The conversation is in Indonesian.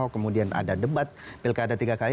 kemudian ada debat pilkada tiga kali